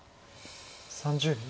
３０秒。